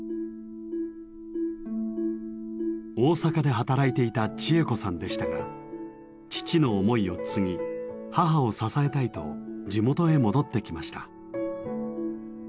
大阪で働いていた千恵子さんでしたが父の思いを継ぎ母を支えたいと地元へ戻ってきました。